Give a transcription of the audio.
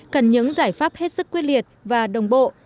cần những giải pháp hết sức quyết liệt và đồng bộ